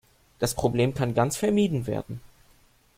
Das Problem kann ganz vermieden werden.